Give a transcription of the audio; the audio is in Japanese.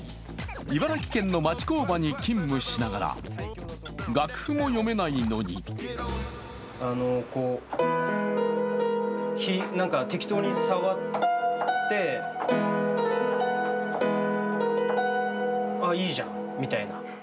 茨城県の町工場に勤務しながら楽譜も読めないのに適当に触ってああ、いいじゃんみたいな。